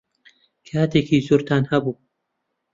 کاتێکی زۆرتان هەبوو.